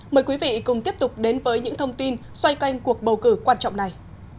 mời quý vị cùng tiếp tục đến với những thông tin xoay canh cuộc bầu cử quan trọng này